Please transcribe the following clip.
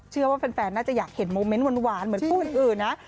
แฟนน่าจะอยากเห็นโมเมนต์หวานเหมือนคู่อื่นนะ